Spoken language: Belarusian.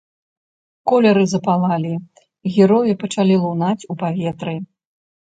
Колеры запалалі, героі пачалі лунаць у паветры.